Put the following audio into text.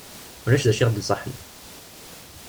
Ulac d acu i aɣ-d-iṣaḥen.